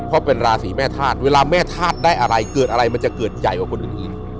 เพราะเป็นราศีแม่ธาตุเวลาแม่ธาตุได้อะไรเกิดอะไรมันจะเกิดใหญ่กว่าคนอื่น